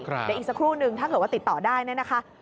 เดี๋ยวอีกสักครู่นึงถ้าเกิดว่าติดต่อได้เนี่ยนะคะ